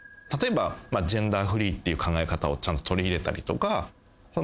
例えばジェンダーフリーっていう考え方をちゃんと取り入れたりとか。